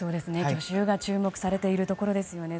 去就が注目されているところですよね。